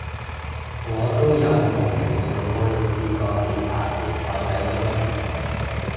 我都有慕名上去試過喜茶同海底撈